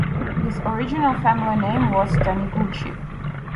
His original family name was Taniguchi.